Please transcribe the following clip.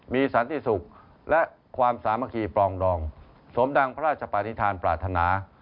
มีสันติสุขและความสามัคคีปลองดองสมดังพระราชปานิษฐานปรารถนา